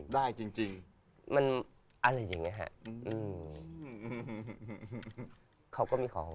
ได้จริง